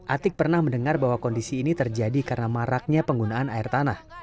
atik pernah mendengar bahwa kondisi ini terjadi karena maraknya penggunaan air tanah